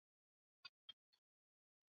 waswahili husema penye ukweli uongo hujitenga